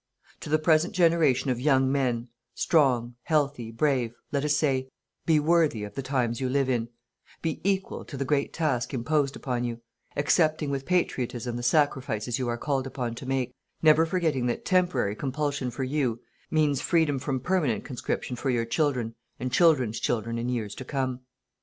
To the present generation of young men, strong, healthy, brave, let us say: be worthy of the times you live in, be equal to the great task imposed upon you, accepting with patriotism the sacrifices you are called upon to make, never forgetting that temporary compulsion for you means freedom from permanent conscription for your children and children's children in years to come.